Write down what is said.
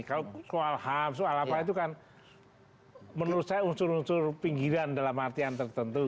kalau soal ham soal apa itu kan menurut saya unsur unsur pinggiran dalam artian tertentu